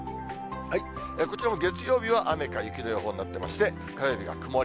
こちらも月曜日は雨か雪の予報になってまして、火曜日が曇り。